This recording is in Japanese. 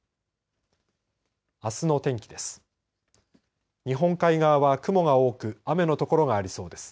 あすの天気です。